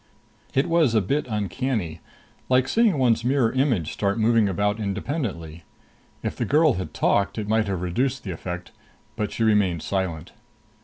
It was a bit uncanny. Like seeing one's mirror image start moving about independently. If the girl had talked, it might have reduced the effect. But she remained silent.